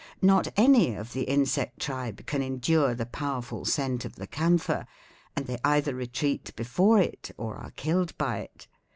Not any of the insect tribe can endure the powerful scent of the camphor, and they either retreat before it or are killed by it.